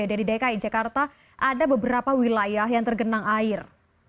dari dki jakarta ada beberapa wilayah yang tergenang air